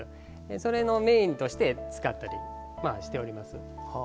それのメインとして使ったりしております。